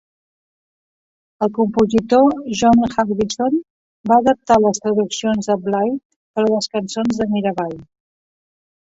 El compositor John Harbison va adaptar les traduccions de Bly per a les cançons de Mirabai.